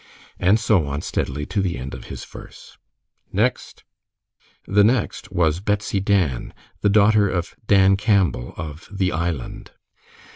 And so on steadily to the end of his verse. "Next!" The next was "Betsy Dan," the daughter of Dan Campbell, of "The Island."